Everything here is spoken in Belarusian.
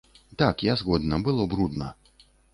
Так, я згодна, было брудна.